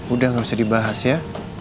udah gak usah dibahas ya